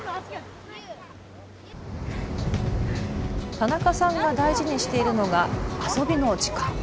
田中さんが大事にしているのが遊びの時間。